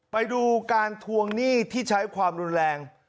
ไปดูการทวงหนี้ที่ใช้ความรุนแรง